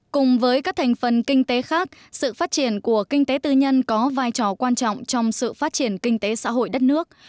cùng với các thành phần kinh tế khác sự phát triển của kinh tế tư nhân có vai trò quan trọng trong sự phát triển kinh tế xã hội đất nước